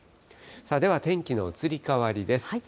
では天気の移り変わりです。